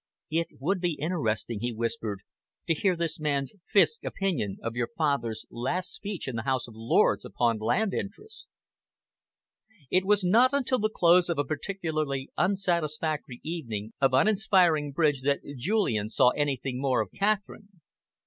"It would be interesting," he whispered, "to hear this man Fiske's opinion of your father's last speech in the House of Lords upon land interests!" It was not until the close of a particularly unsatisfactory evening of uninspiring bridge that Julian saw anything more of Catherine.